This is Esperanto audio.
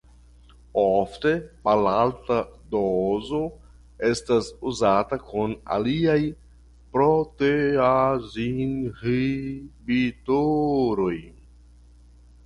Ofte malalta dozo estas uzata kun aliaj proteazinhibitoroj.